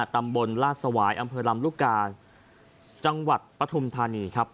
ตำบลลาดสวายอำเภอลำลูกกาจังหวัดปฐุมธานีครับ